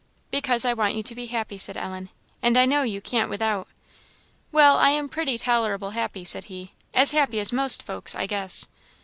"Because I want you to be happy," said Ellen "and I know you can't without." "Well, I am pretty tolerable happy," said he; "as happy as most folks, I guess."